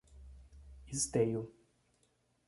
Esteio